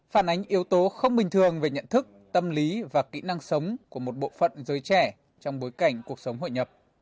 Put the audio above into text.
phản ánh yếu tố không bình thường về nhận thức tâm lý và kỹ năng sống của một bộ phận giới trẻ trong bối cảnh cuộc sống hội nhập